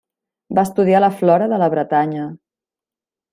Va estudiar la flora de la Bretanya.